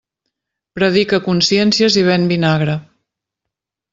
Predica consciències i ven vinagre.